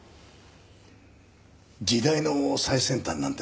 時代の最先端なんて